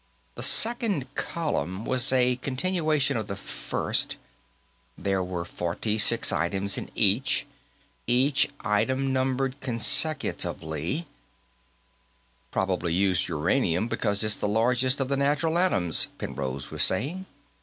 The second column was a continuation of the first: there were forty six items in each, each item numbered consecutively "Probably used uranium because it's the largest of the natural atoms," Penrose was saying.